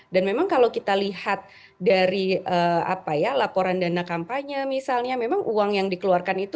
dan memang kalau kita lihat dari apa ya laporan dana kampanye misalnya memang uang yang dikeluarkan itu